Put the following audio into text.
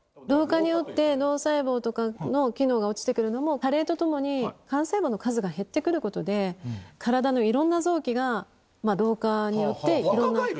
老化によって脳細胞とかの機能が落ちてくるのも、加齢とともに幹細胞の数が減ってくることで、体のいろんな臓器が、老化によっていろんな。